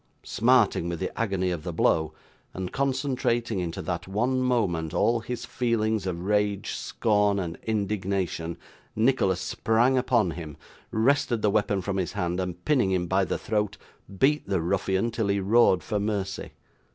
Smarting with the agony of the blow, and concentrating into that one moment all his feelings of rage, scorn, and indignation, Nicholas sprang upon him, wrested the weapon from his hand, and pinning him by the throat, beat the ruffian till he roared for mercy.